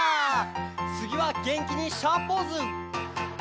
「つぎは元気にシャーポーズ！」